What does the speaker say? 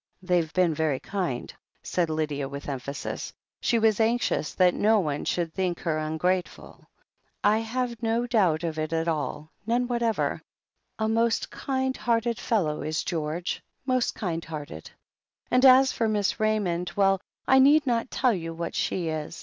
"They've been very kind," said Lydia with emphasis. She was anxious that no one should think her un grateful. "I have no doubt of it at all — ^none whatever. A most kind hearted fellow is George — most kind hearted. And as for Miss Raymond — ^well, I need not tell you what she is.